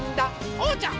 おうちゃん！